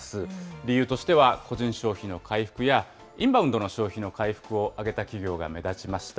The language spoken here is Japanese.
理由としては、個人消費の回復やインバウンドの消費の回復を挙げた企業が目立ちました。